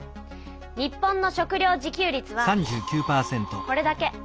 日本の食料自給率はこれだけ。